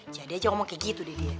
jadi aja ngomong kayak gitu deh dia